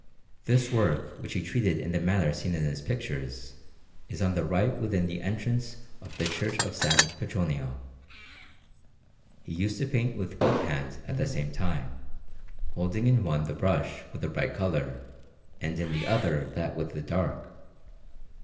This work, which he treated in the manner seen in his pictures, is on the right within the entrance of the Church of S. Petronio. He used to paint with both hands at the same time, holding in one the brush with the bright colour, and in the other that with the dark.